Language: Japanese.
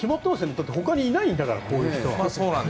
だって、ほかにいないんだからこういう人は。